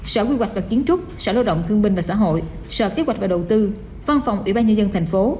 sở quy hoạch và chiến trúc sở lao động thương binh và xã hội sở kế hoạch và đầu tư văn phòng ủy ban nhân dân tp